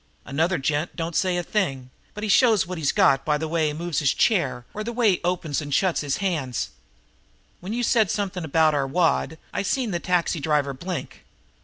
Another gent don't say a thing, but he shows what he's got by the way he moves in his chair, or the way he opens and shuts his hands. When you said something about our wad I seen the taxi driver blink.